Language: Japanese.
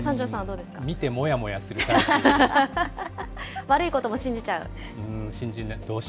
見て、もやもやするタイプで悪いことも信じちゃう。